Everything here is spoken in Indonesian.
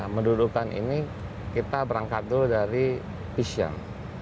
mendudukan ini kita berangkat dulu dari vision